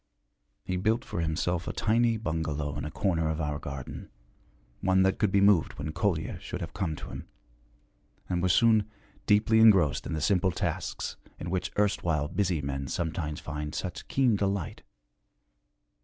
He built for himself a tiny bungalow in a corner of our garden, one that could be moved when Kolya should have come to him, and was soon deeply engrossed in the simple tasks in which erstwhile busy men sometimes find such keen delight.